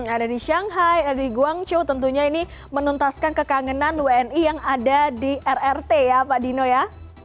yang ada di shanghai di guangzhou tentunya ini menuntaskan kekangenan wni yang ada di rrt ya pak dino ya